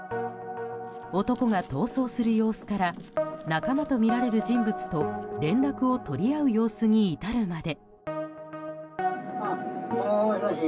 男が逃走する様子から仲間とみられる人物と連絡を取り合う様子に至るまで。